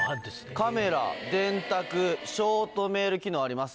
カメラ電卓ショートメール機能あります。